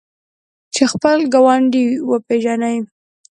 چې خپل ګاونډی وپیژني.